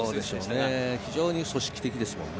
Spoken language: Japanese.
非常に組織的ですもんね。